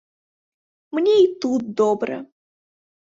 Мне і тут добра.